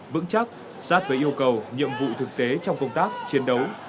vững chắc sát với yêu cầu nhiệm vụ thực tế trong công tác chiến đấu